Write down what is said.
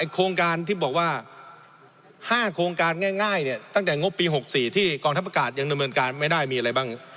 ๕โครงการง่ายตั้งแต่งกฎปี๖๔ที่กองทัพอากาศยังดำเนินการไม่ได้มีอะไรบ้าง